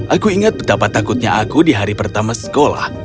aku ingat betapa takutnya aku di hari pertama sekolah